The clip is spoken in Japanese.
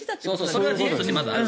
それは事実としてまずある。